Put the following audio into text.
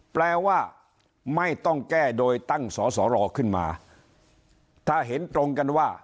แปลว่าไม่ต้องแก้โดยตั้งสอสอรอขึ้นมาถ้าเห็นตรงกันว่า